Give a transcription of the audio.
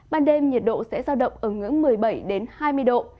ban đêm nhiệt độ sẽ giao động ở ngưỡng một mươi bảy hai mươi độ